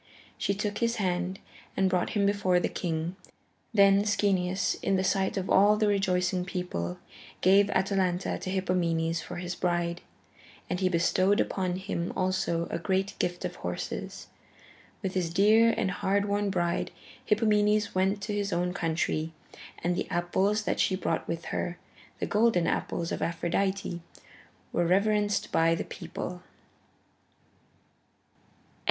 She took his hand and brought him before the king. Then Schoeneus, in the sight of all the rejoicing people, gave Atalanta to Hippomenes for his bride, and he bestowed upon him also a great gift of horses. With his dear and hard won bride, Hippomenes went to his own country, and the apples that she brought with her, the golden apples of Aphrodite, were reverenced by the people.